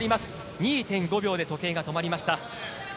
２．５秒で時計が止まりました。